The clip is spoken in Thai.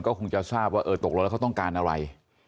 ก็คงจะทราบว่าเออตกลงแล้วเขาต้องการอะไร